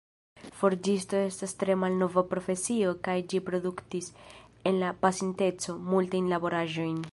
Forĝisto estas tre malnova profesio kaj ĝi produktis, en la pasinteco, multajn laboraĵojn.